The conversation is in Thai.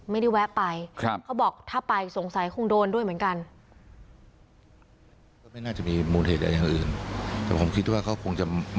แวะไปเขาบอกถ้าไปสงสัยคงโดนด้วยเหมือนกัน